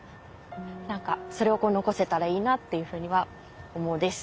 それを残せたらいいなっていうふうには思うです。